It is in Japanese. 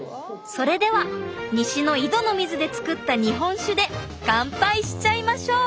それでは西の井戸の水でつくった日本酒で乾杯しちゃいましょう！